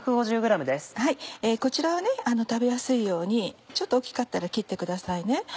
こちらは食べやすいようにちょっと大きかったら切ってください。